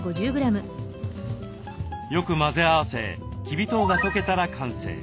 よく混ぜ合わせきび糖が溶けたら完成。